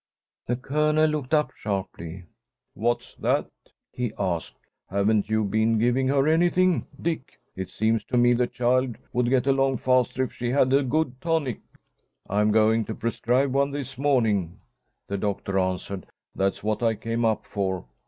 The Colonel looked up sharply. "What's that?" he asked. "Haven't you been giving her anything, Dick? It seems to me the child would get along faster if she had a good tonic." "I am going to prescribe one this morning," the doctor answered. "That's what I came up for."